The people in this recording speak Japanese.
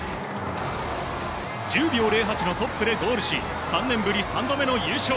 １０秒０８のトップでゴールし３年ぶり３度目の優勝。